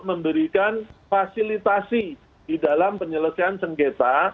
memberikan fasilitasi di dalam penyelesaian sengketa